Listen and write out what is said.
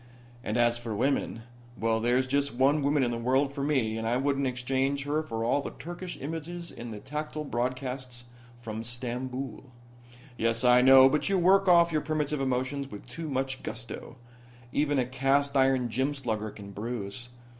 And as for women well, there's just one woman in the world for me, and I wouldn't exchange her for all the Turkish images in the tactile broadcasts from Stamboul." "Yes, I know. But you work off your primitive emotions with too much gusto. Even a cast iron gym slugger can bruise.